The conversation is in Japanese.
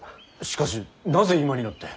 しかしなぜ今になって。